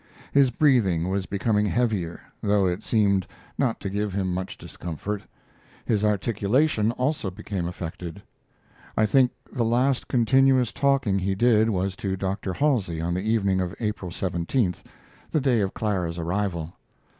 His breathing was becoming heavier, though it seemed not to give him much discomfort. His articulation also became affected. I think the last continuous talking he did was to Dr. Halsey on the evening of April 17th the day of Clara's arrival.